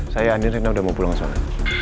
saya andi rina udah mau pulang soalnya